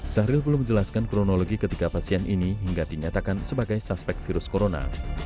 syahril belum menjelaskan kronologi ketiga pasien ini hingga dinyatakan sebagai suspek virus corona